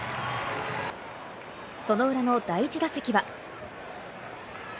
その裏の第１打席は。